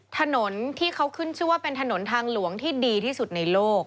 ถนนที่เขาขึ้นชื่อว่าเป็นถนนทางหลวงที่ดีที่สุดในโลก